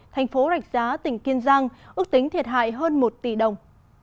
thành phố rạch giá tỉnh kiên giang ước tính thiệt hại hơn một tỷ đồng